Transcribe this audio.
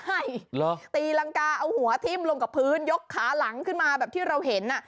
ตีรังกาเอาหัวทิ้มลงกับพื้นยกขาหลังขึ้นมาแบบที่เราเห็นอ่ะ